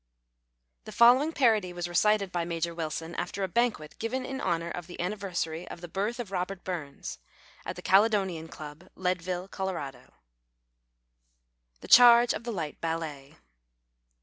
The following parody was recited by Major Wilson after a banquet given in honor of the Anniversary of the Birth of Robert Burns, at the Caledonian Club, Leadville, Colorado :— "The Charge of the Light Ballet."